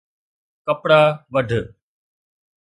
!ڪپڙا وڍ